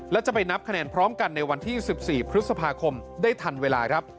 และจะไปนับคะแนนพร้อมกันในวันที่๑๔พฤษภาคมได้ทันเวลาครับ